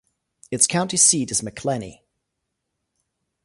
Its county seat is Macclenny.